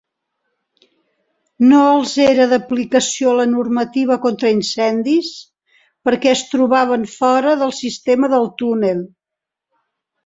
No els era d'aplicació la normativa contra incendis perquè es trobaven fora del sistema del túnel.